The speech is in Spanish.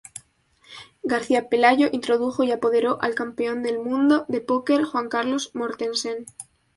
García-Pelayo introdujo y apoderó al campeón del mundo de póquer Juan Carlos Mortensen.